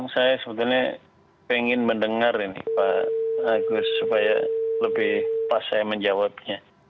saya sebetulnya pengen mendengar ini pak agus supaya lebih pas saya menjawabnya